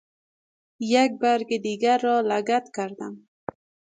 یک برگ دیگر را لگد کردم.